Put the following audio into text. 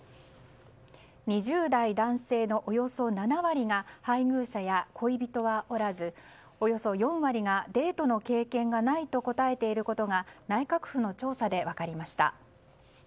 ２０代男性のおよそ７割が配偶者や恋人はおらずおよそ４割がデートの経験がないと答えていることが内閣府の調査で分かりました。